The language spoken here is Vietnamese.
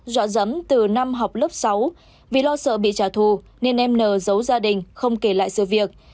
dọ dấm từ năm học lớp sáu vì lo sợ bị trả thù nên em n giấu gia đình không kể lại sự việc